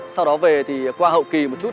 sau đó về thì qua hậu kì một chút